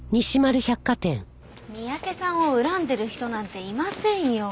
三宅さんを恨んでる人なんていませんよ。